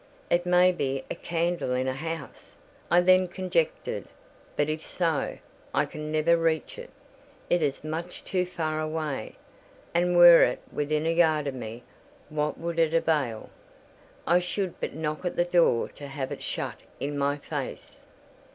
"It may be a candle in a house," I then conjectured; "but if so, I can never reach it. It is much too far away: and were it within a yard of me, what would it avail? I should but knock at the door to have it shut in my face."